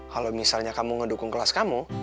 kalau misalnya kamu ngedukung kelas kamu